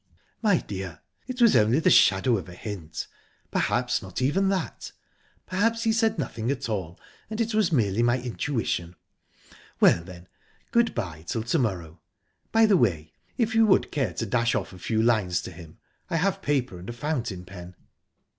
"My dear, it was only the shadow of a hint perhaps not even that. Perhaps he said nothing at all, and it was merely my intuition... Well, then, good bye till to morrow. By the way, if you would care to dash off a few lines to him, I have paper and a fountain pen."